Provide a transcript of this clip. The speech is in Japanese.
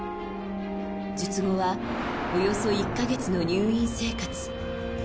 術後はおよそ１か月の入院生活。